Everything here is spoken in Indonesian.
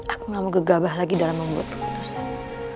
aku gak mau gegabah lagi dalam membuat keputusan